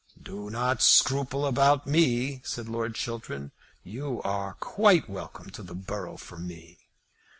"Do not scruple about me," said Lord Chiltern; "you are quite welcome to the borough for me."